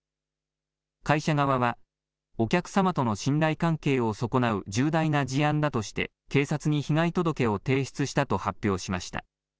会社側は、お客様との信頼関係を損なう重大な事案だとして警察に被害届を提出したと発表しました。